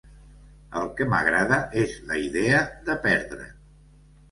El que m'agrada és la idea de perdre't.